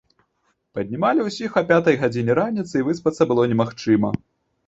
Паднімалі ўсіх а пятай гадзіне раніцы, і выспацца было немагчыма.